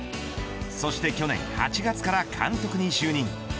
そして去年８月から監督に就任。